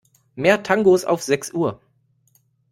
Mehr Tangos auf sechs Uhr.